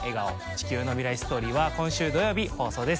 地球の未来ストーリー」は今週土曜日放送です。